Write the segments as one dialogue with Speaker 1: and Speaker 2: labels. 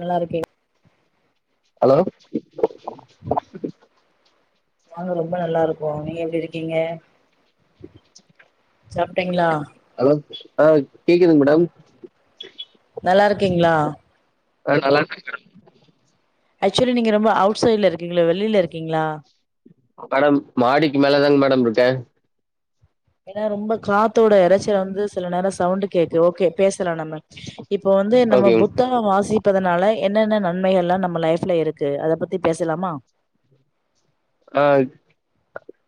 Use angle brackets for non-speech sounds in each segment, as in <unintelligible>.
Speaker 1: நல்லா இருக்கிங்
Speaker 2: ஹலோ
Speaker 1: நாங்க ரொம்ப நல்லா இருக்கோம் நீங்க எப்டி இருக்கீங்க சாப்ட்டீங்களா
Speaker 2: ஹலோ ஆ கேக்குது மேடம்
Speaker 1: நல்லா இருக்கீங்களா
Speaker 2: ஆ நல்லா இருக்கேன் மேடம்
Speaker 1: ஆக்சுவலி நீங்க ரொம்ப அவுட் சைடுல இருக்கீங்களா வெளில இருக்கீங்களா
Speaker 2: மேடம் மாடிக்கு மேல தாங்க மேடம் இருக்கேன்
Speaker 1: ஏன்னா ரொம்ப காத்தோட இறைச்சல் வந்து சில நேரம் சவுண்ட் கேக்குது ஓகே பேசலாம் நம்ம இப்ப வந்து நம்ம
Speaker 2: ஓகேங்
Speaker 1: புத்தா புக்க வாசிப்பதுனால என்னென்ன நன்மைகள் எல்லாம் நம்ம லைஃப்ல இருக்கு அதை பத்தி பேசலாமா
Speaker 2: ஆ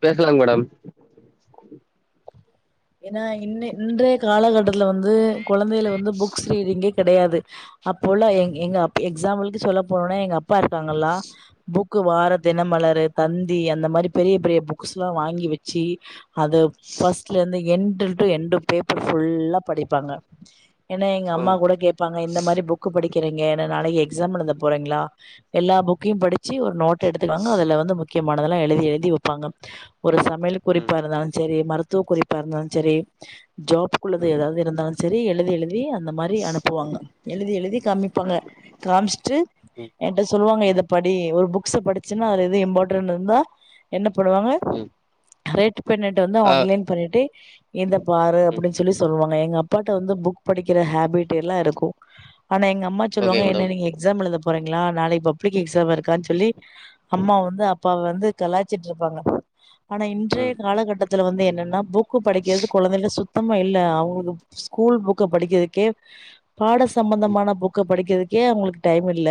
Speaker 2: பேசலாங்க மேடம் உம்
Speaker 1: ஏன்னா இன்ன இன்றைய காலகட்டத்துல வந்து குழந்தைங்களா வந்து புக்ஸ் ரீடிங்கு கிடையாது அப்போல்லாம் எ எங்க எக்ஸாம்பிளுக்குக்கு சொல்ல போனா எங்க அப்பா இருக்காங்கல்லா புக்கு வார தினமலர் தந்தி அந்த மாரி பெரிய பெரிய புக்ஸ் எல்லாம் வாங்கி வச்சி அது ஃபர்ஸ்ட்ல இருந்து எண்டு டு எண்டு பேப்பர் ஃபுல்லா படிப்பாங்க ஏன்னா எங்க அம்மா
Speaker 2: ம்
Speaker 1: கூட கே ப்பாங்க இந்த மாரி புக் படிக்கிறீங்க நாளைக்கு எக்ஸாம் எழுத போறீங்களா எல்லா புக்கையும் படி ச்சி ஒரு நோட் எடுத்துப்பாங்க அதுல வந்து முக்கியமானதெல்லாம் எழுதி எழுதி வைப்பாங்க ஒரு சமையல்
Speaker 2: ம்
Speaker 1: குறிப்பா இருந்தாலும் செரி மருத்துவ குறிப்பா இருந்தாலும் செரி ஜாப்க்குள்ளது
Speaker 2: ம்
Speaker 1: ஏதாவது இருந்தாலும் செரி எழுதி எழுதி அந்த மாரி அனுப்புவாங்க எழுதி எழுதி காமிப்பாங்க காமிச்சுட்டு
Speaker 2: ம் ஆ, ம்
Speaker 1: என்கிட்ட சொல்லுவாங்க இத படி ஒரு புக்ஸ படி சுன்னா அது இது இம்பார்டண்ட் இருந்தா என்ன பண்ணுவாங்க
Speaker 2: ம்
Speaker 1: ரெட் பெண்ணட்ட வந்து
Speaker 2: ஆ
Speaker 1: ஒன்லைன் பண்ணிட்டு இத பாரு
Speaker 2: ம்
Speaker 1: அப்டின்னு சொல்லி சொல்லுவாங்க எங்க அப்பாட்ட வந்து புக் படிக்கிற ஹாபிட் எல்லாம் இருக்கும் ஆனா எங்க அம்மா
Speaker 2: ஓகே
Speaker 1: சொல்லுவாங்க
Speaker 2: மேடம்
Speaker 1: என்ன நீங்க எக்ஸாம் எழுத போறீங்களா நாளைக்கு பப்ளிக் எக்ஸாம் இருக்கான்னு சொல்லி அம்மா வந்து அப்பாவ வந்து கலாய்ச்சிட்டு இருப்பாங்க ஆனா இன்றைய
Speaker 2: ம்
Speaker 1: காலகட்டத்துல வந்து என்னன்னா புக்கு படிக்கிறது குழந்தைகள்ட்ட சுத் சுத்தமா இல்ல அவுங்களுக்கு ஸ்கூல் புக்க படிக்கிறதுக்கே பாட
Speaker 2: ம்
Speaker 1: சம்பந்தமான புக்க படிக்கிறதுக் கே அவுங்களுக்கு டைம் இல்ல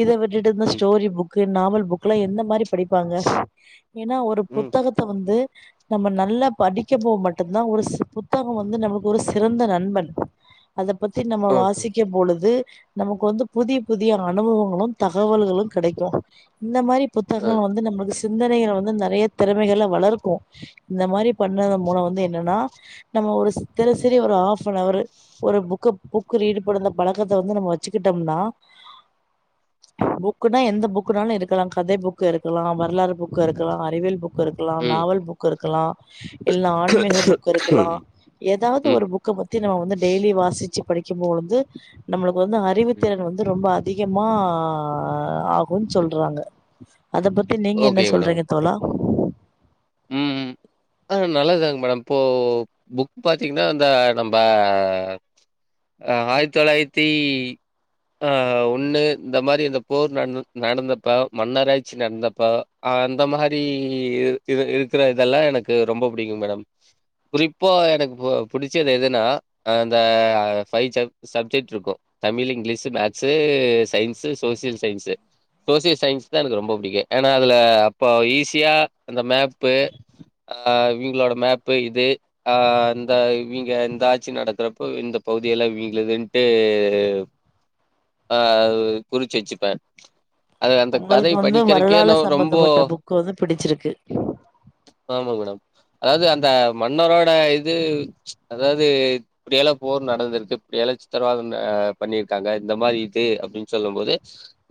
Speaker 1: இத விட்டுட்டு இந்த
Speaker 2: ம்
Speaker 1: ஸ்டோரி புக்கு நாவல் புக்ல்லாம் எந்த மாரி படிப்பாங்க ஏன்னா ஒரு
Speaker 2: ம்
Speaker 1: புத்தகத்த வந்து நம்ப நல்லா படிக்கப்போ மட்டும்தான் ஒரு புத்தகம் வந்து நம்மளுக்கு ஒரு சிறந்த நண்பன் அத பத்தி நம்ம
Speaker 2: ஆ
Speaker 1: வாசிக்கும் பொழுது நமக்கு வந்து புதிய புதிய அனுபவங்களும் தகவல்களும் கெடைக்கும் இந்த மாரி
Speaker 2: ஆ
Speaker 1: புத்தகங்கள் வந்து நம்மளுக்கு சிந்தனைகள வந்து நறைய திறமைகள வளர்க்கும் இந்த மாரி பண்ரதன் மூலம் வந்து என்னன்னா நம்ம ஒரு சித்தன சரி ஒரு ஹாப் அன் அவரு ஒரு புக்க புக் ரீடு பண்ணந்த பழக்கத்தை வந்து நம்ப வச்சுக்கிட்டோம்னா புக்குனா எந்த புக்குனாலும் இருக்கலாம் கதை புக்கு இருக்கலாம் வரலாறு புக்கு இருக்கலாம் அறிவியல் புக் புக் இருக்கலாம்
Speaker 2: ம்
Speaker 1: நாவல் புக் இருக்கலாம் இல்ல ஆன்மீக புக் இருக்கலாம் ஏதாவது
Speaker 2: ம்
Speaker 1: ஒரு புக்க பத்தி நம்ம வந்து டெய்லி வாசிச்சு படிக் க்கும் போது நம்மளுக்கு வந்து
Speaker 2: ம்
Speaker 1: அறிவுத்திறன் வந்து ரொம்ப அதிகமா ஆகும்ன்னு சொல்றாங்க அத பத்தி நீங்க என்ன
Speaker 2: ஓகே
Speaker 1: சொல்றீங்க தோழா
Speaker 2: ம் ம். அ நல்லதுதாங் மேடம் இப்போ புக் பாத்தீங்கன்னா அந்த நம்ப ஆ ஆயித் தொளாயித்தி ஆ ஒன்னு இந்த மாரி இந்த போர் நட்ந்து நடந்தப்ப மன்னராட்ச்சி நடந்தப்ப ஆ அந்த மாரி இர் இரு இருக்குற இதெல்லா எனக்கு ரொம்ப பிடிக்கு மேடம். குறிப்பா எனக்கு இப்போ புடிச்சது எதுனா அ அந்த ஃபை சே சப்ஜெக்ட்ருக்கு Tamil, English, maths, science, social science. Social science தா எனக்கு ரொம்ப பிடிக்கு ஏனா அதுல அப்போ ஈஸியா அந்த மேப்பு ஆ இவிங்களோட மேப்பு இது ஆ இந்தா இவிங்க இந்த ஆட்சி நடக்கறப்போ இந்த பகுதிய எல்லா இவிங்ளுதுன்ட்டு ஆ அது ஒரு குறிச்சு வெச்சுப்பே அது அந்த கதைய படிக்கிறக்கே நாவு ரொம்போ
Speaker 1: கொத பிடிச்சிருக்கு.
Speaker 2: ஆமா மேடம் அதாவது அந்த மன்னரோட இது அதாவது இப்டியல்லா போர் நடந்திருக்கு இப்டியல்லா சித்திரவாதன்ன பண்ணிருக்காங்க இந்த மாரி இது அப்டின் சொல்லும் போது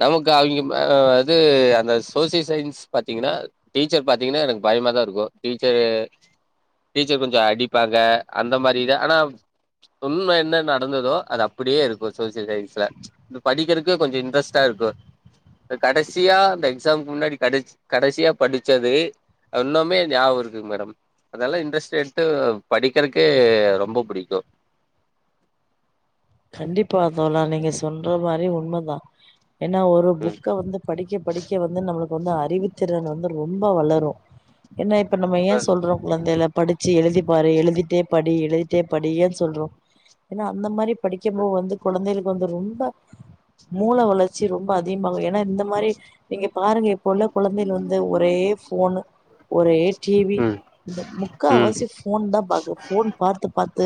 Speaker 2: நமக்கு அவிங்க ம இது அந்த சோசிய சயின்ஸ் பாத்தீங்கனால் டீச்சர் பாத்தீங்கன்னா எனக்கு பயமாதா இருக்கு டீச்சரு டீச்சர் கொஞ்சோ அடிப்பாங்க அந்த மாரிதா ஆனா உண்ம என்ன நடந்துதோ அது அப்பிடியே இருக்கு சோசியல் சயின்ஸ்ல. இது படிக்கிறக்கே கொஞ்சோ இன்ட்ரெஸ்ட்டா இருக்கு. ப்ப கடசியா அந்த எக்ஸாம்க்கு முன்னாடி கடைச் கடைசியா படிச்சது அ இன்னோமே ஞாவகோ இருக்குங் மேடம். அதெல்லா இன்ட்ரெஸ்ட் எடுத்து படிக்கிறக்கே ரொம்ப பிடிக்கு.
Speaker 1: கண்டிப்பா தோழா நீங்க சொல்ற மாரி உண்மதா. ஏன்னா ஒரு
Speaker 2: ம்
Speaker 1: புக்க வந்து படிக்க படிக்க வந்து நம்மளுக்கு வந்து அறிவுத்திறன் வந்து ரொம்ப வளரு என்னா இப்ப நம்ம ஏ சொல்றோ? குழந்தைல படிச்சு எழுதி பாரு எழுதிட்டே படி எழுதிட்டே படி ஏன் சொல்றோ? ஏனா அந்த மாரி படிக்கம் போ வந்து குழந்தைகளுக்கு வந்து ரொம்ப மூள வளர்ச்சி ரொம்ப அதிகமாகு ஏனா இந்த மாரி நீங்க பாருங்க இ ப்ப உள்ள குழந்தைகள் வந்து ஒரே ஃபோனு. ஒரே டி வி
Speaker 2: ம்
Speaker 1: இந்த
Speaker 2: ம்
Speaker 1: முக்காவாசி ஃபோன் தா பாக்குது ஃபோன் பாத்து பாத்து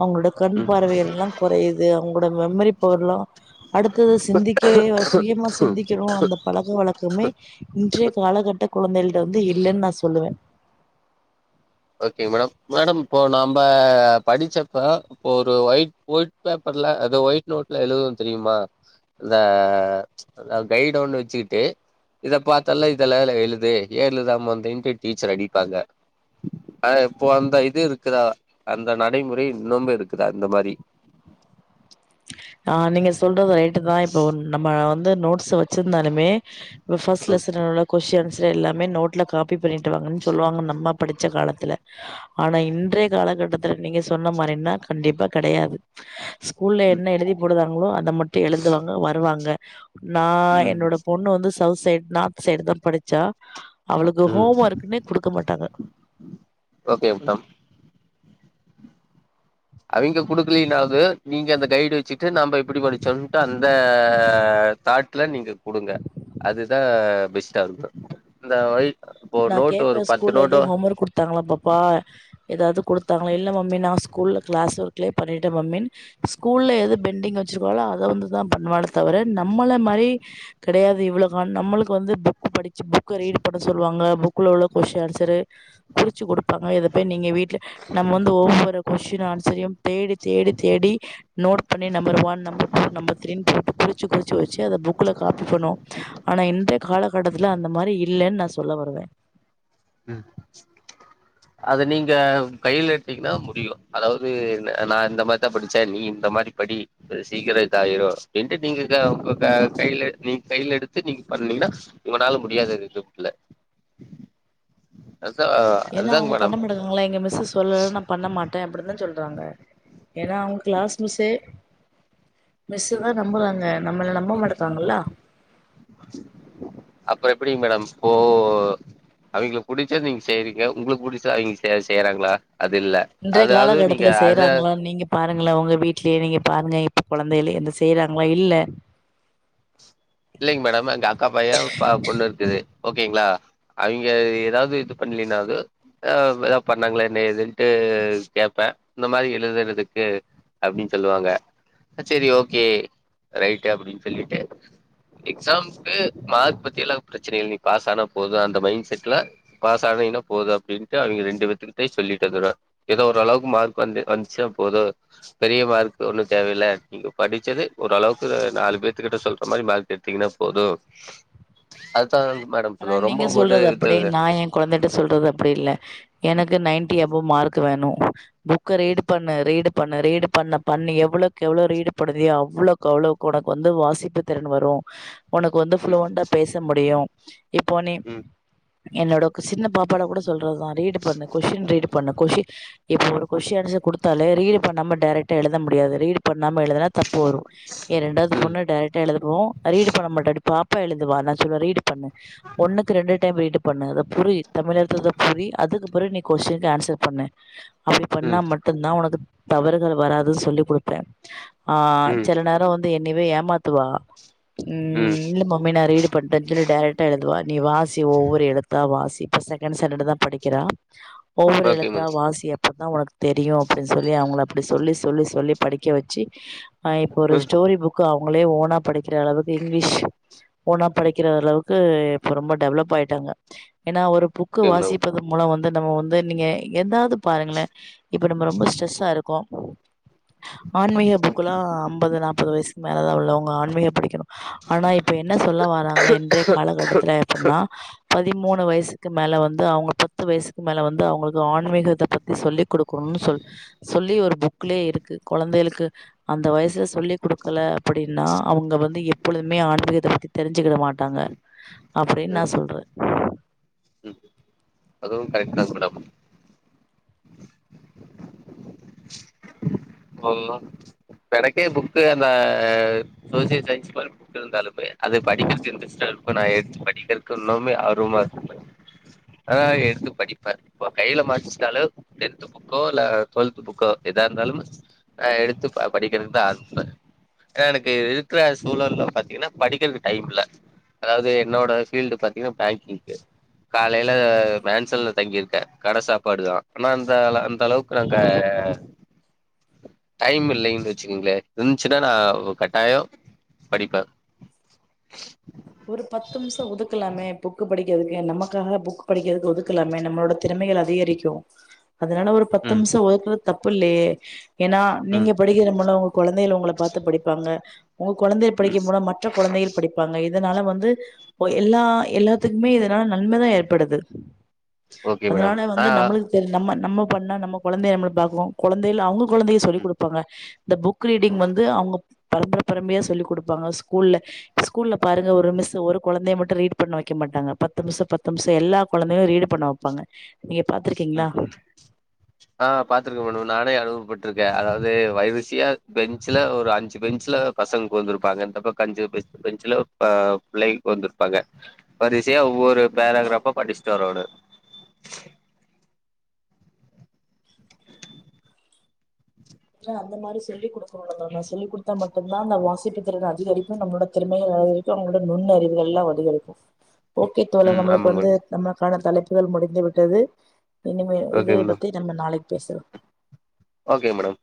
Speaker 1: அவுங்ளோட கண்
Speaker 2: ம்
Speaker 1: பார்வை எல்லா கொறையிது அவுங்க ந்த மெமரி பவர்ல்லா அடுத்தது சிந்திக்கவே வ சுயமா சிந்திக்கணு அந்தப் பழக்க வழக்கமே இன்றைய காலகட்ட குழந்தைகள்ட்ட வந்து இல்லன் நா சொல்லுவே.
Speaker 2: ஓகே மேடம் மேடம் இப்போ நாம்ப படிச்சப்ப இப்போ ஒரு ஒயிட் வொய்ட் பேப்பர்ல அது ஒயிட் நோட்ல எழுதுவோ தெரிமா? ந்த ஸ் அ கைடு ஒண்ணு வெச்சுக்கிட்டு இதப் பாத்தல்ல இதல்லா அதுல எழுது ஏ எழுதாம வந்தின்ட்டு டீச்சரு அடிப்பாங்க. அ இப்போ அந்த இது இருக்குதா அந்த நடைமுறை இன்னும் இருக்குதா இந்த மாரி?
Speaker 1: அ நீங்க சொல்றது ரைட்டு தா இப்ப ஒன் நம்ம வந்து நோட்ஸ் வெச்சிந்தாலுமே ஒரு ஃபஸ்ட் லெசனோட கொஸ்டி ஏன்சரு எல்லாமே நோட்ல காப்பி பண்ணிட்டு வாங்கன் சொல்லுவாங்க நம்ம படிச்ச காலத்துல. ஆனா இன்றைய காலகட்டத்துல நீங்க சொன்ன மாறின்னா கண்டிப்பா கெடையாது. ஸ் ஸ்கூல்ல என்ன எழுதி போடுதாங்களோ அத மட்டு எழுதுவாங்க வருவாங்க. நா
Speaker 2: ம்
Speaker 1: என்னோட பொண்ணு வந்து சவுத் சைட் நாத் சைடுதா படிச்சா. அவளுக்கு
Speaker 2: ம்
Speaker 1: ஹோம் ஒர்க்ன்னே குடுக்க மாட்டாங்க
Speaker 2: ஓகே முட்டம் அவிங்க குடுக்கலனாவது நீங்க அந்த கைடு வச்சிட்டு நம்ப இப்டி படிச்சோம்ட்டு அந் த தாட்ல நீங்க குடுங்க அதுதா பெஸ் டாகு இந்த வொயிட்
Speaker 1: நா கேப்பே ஸ்கூல்ல எதுவு ஹோம் ஒர்க் குடுத்தாங்களா பாப்பா ஏதாவது குடுத்தாங்கள இல்ல மம்மி நா ஸ்கூல்ல கிளாஸ் வொர்க்லயே பண்ணிட்டே மம்மின் ஸ்கூல்ல எது பெண்டிங் வச்சிருக்கோலோ அத வந்துதா பண்ணுவாலே தவிர நம்மள மாரி கெடையாது இவ்வளவு ஹான் நம்மளுக்கு வந்து புக் படிச்சு புக்க ரீட் பண்ண சொல்லுவாங்க புக்ல உள்ள கொஸ்டின் ஆன்சரு குறிச்சு குடுப்பாங்க இதப்போயி நீங்க வீட்ல நம்ம வந்து ஒவ்வொரு கொஸ்டின் ஆன்சரையும் தேடித் தேடித் தேடி நோட் பண்ணி number one number two number த்ரீனு போட்டு குறிச்சு குறிச்சு வச்சு அதை புக்ல காப்பி பண்ணுவோ ஆனா இன்றைய காலகட்டத்துல அந்த மாறி இல்லன்னு நா சொல்ல வருவே
Speaker 2: அ அத நீங்க கைல எடுத்தீங்கன்னா முடியு அதாவது நா இந்த மாறிதான் படிச்சே நீ இந்த மாறி படி சீக்கிர இதா ஆயிரு என்ட்டு நீங்க க க கைல நீங்க கையில எடுத்து நீங்க பண்ணீங்கன்னா உங்கனால முடியாதது எதுவுமில்ல
Speaker 1: ஏன்னா
Speaker 2: அதுதாங்க
Speaker 1: அவங்க பண்ண
Speaker 2: மேடம்
Speaker 1: முடியாதனால எங்க மிஸ்சு சொல்லல நா பண்ண மாட்டே அப்டித்தா சொல்தாங்க ஏன்னா அவங்க கிளாஸ் மிஸ்ஸே மிஸ்சுதா நம்புறாங்க நம்மள நம்ப மாட்துதாங்கில்லா
Speaker 2: அப்புற எப்டிங்க மேடம் இப்போ அவிங்களுக்கு புடிச்சத நீங்க செய்றீங்க உங்களுக்கு புடிச்சத அவிங்க செய் செய்யறாங்களா அது இல்ல
Speaker 1: இன்றைய
Speaker 2: அதாவது நீங்க
Speaker 1: காலகட்டத்துல
Speaker 2: அத
Speaker 1: செய்யறாங்களா நீங்க பாருங்களே உங்க வீட்லயே நீங்க பாருங்க இப்ப கொழந்தைலயே எந்த செய்யறாங்களா இல்ல
Speaker 2: இல்லைங்க மேடம் எங்க அக்கா பையன் ப பொண்ணு இருக்குது ஓகேங்களா அவிங்க ஏதாவது இது பண்லின்னாலு அ ஏதா பண்ணாங்களான்னு என்ன எதுன்ட்டு கேப்பே இந்த மாரி எழுதறதுக்கு அப்டின்னு சொல்லுவாங்க சேரி ஓகே ரைட்டு அப்டின்னு சொல்லிட்டு எக்சாம்ஸ்க்கு மார்க் பத்தி எல்லா பிரச்சனை இல்ல நீ பாஸ் ஆனா போதும் அந்த மைண்ட் செட்ல பாஸ் ஆகலன்னா போது அப்டின்ட்டு அவிங்க ரெண்டு பேத்துகிட்டயு சொல்லிட்டு வந்துருவே ஏதோ ஓரளவுக்கு மார்க் வந்து வந்துச்சானா போது பெரிய மார்க் ஒண்ணு தேவையில்ல நீங்க படிச்சது ஓரளவுக்கு நாலு பேத்து கிட்ட சொல்ற மாறி மார்க் எடுத்தீங்கன்னா போது அதுதா மேடம் சொல்லுவ ரொம்ப போட்டு இத்த
Speaker 1: கொழந்தைிட்ட சொல்றது அப்டி இல்ல எனக்கு நைன்டி அபவ் மார்க் வேணு புக்கை ரீட் பண்ணு ரீடு பண்ணு ரீடு பண்ண பண்ணி எவ்வளோக்கு எவ்வளோ ரீடு பண்ணதோ அவ்ளோ க்கு அவ்ளோக்கு உனக்கு வந்து வாசிப்பு திறன் வரு உனக்கு வந்து ஃப்ளுவெண்டா பேச முடியு இப்போ நீ
Speaker 2: ம்
Speaker 1: என்னோட சின்ன பாப்பாட கூட சொல்றதுதா ரீட் பண்ணு கொஷின் ரீட் பண்ணு கொஷின் இப்போ ஒரு கொஸ்டின் ஆன்சர் கொடுத்தாலே ரீடு பண்ணாம டேரெக்டா எழுத முடியாது ரீடு பண்ணாம எழுதுனா தப்பு வரு ஏ இரண்டாவது
Speaker 2: ம்
Speaker 1: பொண்ணு டைரக்டா எழுதுவோ ரீடு பண்ண மாட்டா இப்டி பாப்பா எழுதுவா நா சொல்வ ரீட் பண்ணு ஒன்னுக்கு ரெண்டு டைம் ரீடு பண்ணு அதை புரி தமிழ் அர்த்ததை புரி அதுக்குப்பிறகு நீ கொஸின்னுக்கு ஆன்சர் பண்ணு அப்டி பண்ணா
Speaker 2: ம் ம்
Speaker 1: மட்டும்தா உனக்கு தவறுகள் வராதுன்னு சொல்லிக் கொடுப்பே ஆ
Speaker 2: ம்
Speaker 1: சில நேரோ வந்து என்னவே ஏமாத்துவா ம் இல்ல மம்மி நா ரீட் பண்ட்டன்னு சொல்லி டைரக்டா எழுதுவா நீ வாசி ஒவ்வொரு எழுதா வாசி இப்ப செகண்ட்ஸ்டாண்டர்ட் தா படிக்கிறா ஒவ்வொரு
Speaker 2: ஓகே
Speaker 1: எழுத்தா
Speaker 2: மேடம்
Speaker 1: வாசியப் அப்பதா உனக்கு தெரியு அப்டின்னு சொல்லி அவுங்கள அப்டி சொல்லி சொல்லி சொல்லி படிக்க வெச்சு ஆ இப்ப ஒரு ஸ்டோரி புக் புக் அவுங்களே ஓனா படிக்கிற அளவுக்கு இங்கிலீஷ் ஓனா படிக்கிற அளவுக்கு இப்ப ரொம்ப டெவலப் ஆயிட்டாங்க ஏன்னா ஒரு புக்கு
Speaker 2: ஓகே மேடம்
Speaker 1: வாசிப்பது மூலம் வந்து நம்ம வந்து நீங்க எதாது பாருங்களேன் இப்ப நம்ம ரொம்ப ட்ரெஸ்சா இருக்கோ ஆன்மீக புக்குல்லா ஐம்பது நாப்பது வயசுக்கு மேலதா உள்ளவங்க ஆன்மீகோ படிக்கணு ஆனா இப்ப என்னா சொல்ல வறாங்க இன்றைய காலகட்டத் துலா அப்படின்னா பதிமூணு வயசுக்கு மேல வந்து அவுங்க புத் பத்து வயசுக்கு மேல வந்து அவுங்களுக்கு ஆன்மீகத்த பத்தி சொல்லிக் குடுக்கணும்னு சொ சொல்லி ஒரு புக் புக்குலயே இருக்கு கொழந்தைகளுக்கு அந்த வயசுல சொல்லிக் குடுக்கல அப்டின்னா அவுங்க வந்து எப்பொழுதுமே ஆன்மீகத்த பத்தி தெரிஞ்சுக்கிட மாட்டாங்க அப்டின்னு நான் சொல்ற
Speaker 2: அதுவும் கரெக்ட் தானே மேடம் நல்லா எனக்கே புக்கு அந்த சோசியல் சயின்ஸ் இருந்தாலுமே அது படிக்கிறதுக்கு இன்ட்ரெஸ்ட்டா இருக்கு நான் எடுத்து படிக்கிறதுக்கு இன்னுமே ஆர்வமா இருக்கும் ஆ எடுத்து படிப்ப இப்ப கையில மாட்டுச்சினாலு எந்த புக்கோ இல்ல டுவெல்த் புக்கோ எதா இருந்தாலும் எடுத்து படிக்கிறதுக்குதா ஆரம்பிபே ஆ எனக்கு இருக்கற சூழல்ல பாத்தீங்கன்னா படிக்கறதுக்கு டைம் இல்ல அதாது என்னோட ஃபீல்டு பாத்தீங்கன்னா பேங்கிங்கு காலையில மேன்சல்ல தங்கிருக்க கட சாப்பாடு தா ஆனா அந்த அள அந்த அளவுக் <unintelligible> டைம் இல்லைன்டு வெச்சிக்குங்களே இருந்துச்சுன்னா நா கட்டாயோ படிப்பே
Speaker 1: ஒரு பத்து நிமிஷோ ஒதுக்கலாமே புக் படிக்கிறதுக்கு நமக்காக புக் படிக்கிறதுக்கு ஒதுக்கலாமே நம்மளோட திறமைகள் அதிகரிக்கும் அதனால ஒரு பத்து
Speaker 2: ம்
Speaker 1: நிமிஷோ ஒதுக்குறது தப்பு இல்லையே ஏன்னா நீங்க
Speaker 2: ம்
Speaker 1: படிக்கிற போனா கொழந்தைகள் உங்களை பாத்து படிப்பாங்க உங்க கொழந்தை
Speaker 2: ம்
Speaker 1: படிக்கும் போனா மற்ற கொழந்தைகள் படிப்பாங்க இது இதனால வந்து இப்போ எல்லா எல்லாத்துக்குமே இதனால நன்மதா ஏற்படுது
Speaker 2: ஓகே மேடம்
Speaker 1: அதனால
Speaker 2: ஆ
Speaker 1: வந்து நம்ளுக் சேரி நம்ம நம்ம பண்ணா நம்ம கொழந்தைய நம்மள பாகோ கொந்தைல அவுங்க கொழந்தைய சொல்லிக்
Speaker 2: ம்
Speaker 1: குடுப்பாங்க இந்த புக் ரீடிங்
Speaker 2: ம்
Speaker 1: வந்து அவுங்க பரம்பர பரம்பையா சொல்லிக் குடுப்பாங்க ஸ்கூல்ல ஸ்கூல்ல பாருங்க ஒரு மிஸ் ஒரு கொழந்தைய மட்டும் ரீட் பண்ண வெக்க மாட்டாங்க பத்து நிம்ஷோ பத்து நிம்ஷோ எல்லா கொழந்தையு ரீட் பண்ண வெப்பாங்க நீங்க பாத்திருக்கீங்ளா
Speaker 2: ம் ஆ பாத்திருக்கே மேடம் நானே அனுபவபட்டிருக்கே அதாது வரிசியா பெஞ்சுல ஒரு அஞ்சு பெஞ்சுல பசங்க ஒக்காதுருப்பாங்க இந்த பக்கம் அஞ்சு பெஞ்சுல பிள்ளை ஒக்காந்திருப்பாங்க வரிசையா ஒவ்வொரு பேராகிராப்பா படிச்சுட்டு வரோனு
Speaker 1: ஆ அந்த மாரி சொல்லி குடுக்க இப்ப உள்ளவங்களுக்கு நா சொல்லிக்குடுத்தா மட்டும்தா அந்த வாசிப்பு திறன அதிகரிக்கும் நம்மலோட திறமைய அதிகரிக்கும் அவுங்களுக் இந்த நுண்ணறிவுகள்லா அதிகரிக்கு ஓகே தோழன்
Speaker 2: ம்
Speaker 1: நம்மளுக்கு
Speaker 2: ஆமாங்க
Speaker 1: வந்து
Speaker 2: மேடம்
Speaker 1: நம்மளுக்கான தலைப்புகள் முடிந்து விட்டது இனிமே இது
Speaker 2: ஓகே மேடம்
Speaker 1: பத்தி நம்ம நாளைக்கு பேசுறோ
Speaker 2: ஓகே மேடம்